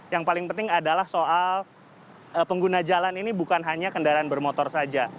yang paling penting adalah soal pengguna jalan ini bukan hanya kendaraan bermotor saja